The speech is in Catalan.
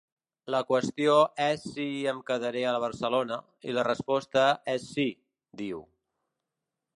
La qüestió és si em quedaré a Barcelona, i la resposta és sí, diu.